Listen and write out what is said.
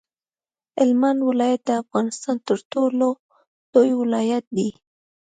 هلمند ولایت د افغانستان تر ټولو لوی ولایت دی.